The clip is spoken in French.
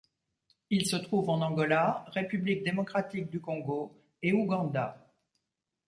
Il se trouve en Angola, République démocratique du Congo et Ouganda.